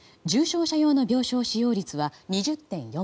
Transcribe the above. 重症者用の病床使用率は２０．４％。